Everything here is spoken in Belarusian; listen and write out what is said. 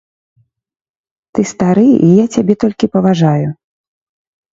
Ты стары, і я цябе толькі паважаю.